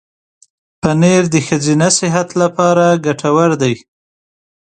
پنېر د ښځینه صحت لپاره ګټور دی.